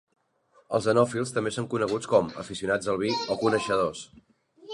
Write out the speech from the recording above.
Els enòfils també són coneguts com "aficionats a el vi" o "coneixedors".